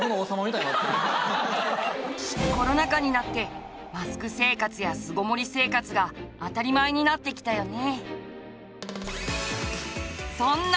コロナ禍になってマスク生活や巣ごもり生活が当たり前になってきたよね。